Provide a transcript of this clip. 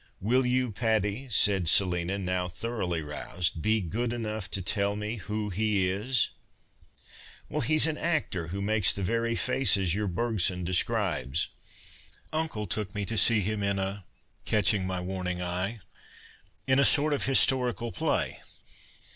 " Will you, Patty," said Selina, now thoroughly roused, " be good enough to tell me who he is ?"" Well, he's an actor, who makes the very faces your Bergson describes. Uncle took me to see him in a " (catching my warning eye) —" in a sort of historical play.